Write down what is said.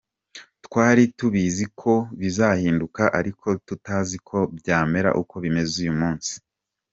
Twari tubizi ko bizahinduka ariko tutazi ko byamera uko bimeze uyu munsi.